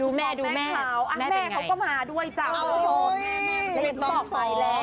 รู้แม่แม่เป็นอย่างไรอ่าเค้าก็มาด้วยจ้ะคุณผู้ชม